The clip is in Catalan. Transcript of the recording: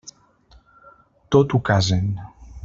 Tot ho casen.